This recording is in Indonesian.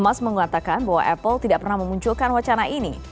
emas mengatakan bahwa apple tidak pernah memunculkan wacana ini